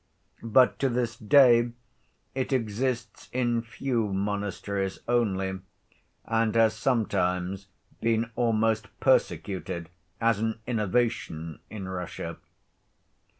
But to this day it exists in few monasteries only, and has sometimes been almost persecuted as an innovation in Russia.